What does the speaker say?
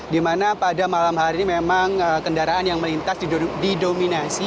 di mana pada malam hari ini memang kendaraan yang melintas didominasi